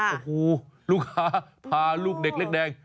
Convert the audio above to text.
โอ้โหลูกค้าพาลูกเด็กเล็กแดง